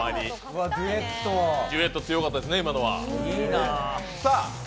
デュエット強かったですね。